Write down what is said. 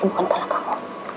itu bukan tolong kamu